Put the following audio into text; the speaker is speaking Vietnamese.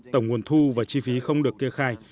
tổng nguồn thu và chi phí không được kê khai